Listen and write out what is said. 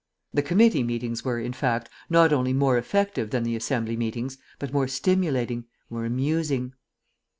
The committee meetings were, in fact, not only more effective than the Assembly meetings, but more stimulating, more amusing.